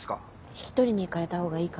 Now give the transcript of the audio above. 引き取りに行かれた方がいいかと。